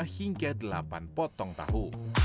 hingga delapan potong tahu